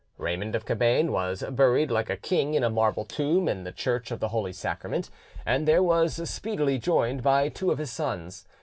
Raymond of Cabane was buried like a king in a marble tomb in the church of the Holy Sacrament, and there was speedily joined by two of his sons.